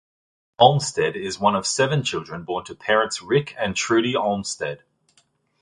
Olmstead is one of seven children born to parents Rick and Trudy Olmstead.